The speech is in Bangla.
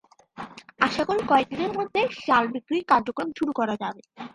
আশা করি কয়েক দিনের মধ্যেই চাল বিক্রির কার্যক্রম শুরু করা যাবে।